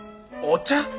お茶？